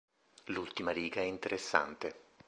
L'ultima riga è interessante.